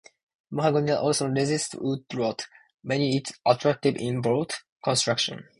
Mahogany also resists wood rot, making it attractive in boat construction.